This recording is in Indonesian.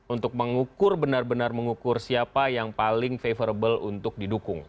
untuk mengukur benar benar mengukur siapa yang paling favorable untuk didukung